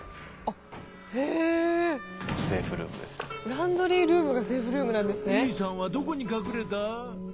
ランドリールームがセーフルームなんですね。